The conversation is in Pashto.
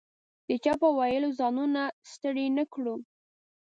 د چا په ویلو ځانونه ستړي نه کړو.